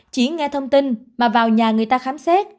chỉ nghe thông tin mà vào nhà người ta khám xét